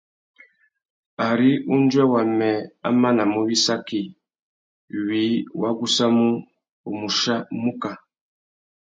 Ari undjuê wamê a manamú wissaki, wiï wa gussamú, u mù chia muká.